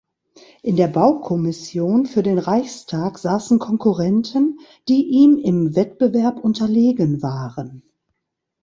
In der Baukommission für den Reichstag saßen Konkurrenten, die ihm im Wettbewerb unterlegen waren.